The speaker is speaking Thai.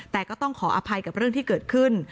แต่ก็ต้องขออภัยกับเรื่องที่เกิดขึ้น